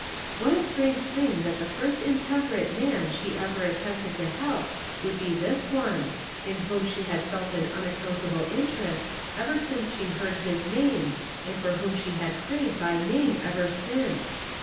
What a strange thing that the first intem perate man she ever attempted to help should be this one, in whom she had felt an unaccountable interest ever since she heard his name, and for whom she had prayed, by name, ever since